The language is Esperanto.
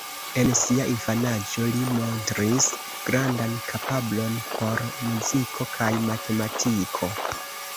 En sia infanaĝo, li montris grandan kapablon por muziko kaj matematiko.